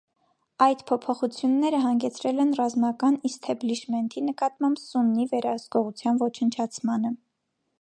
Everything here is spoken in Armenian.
Այդ փոփոխությունները հանգեցրել են ռազմական իսթեբլիշմենթի նկատմամբ սուննի վերահսկողության ոչնչացմանը։